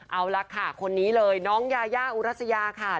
เอาละค่ะคนนี้เลยน้องยายาอุรัสยาค่ะ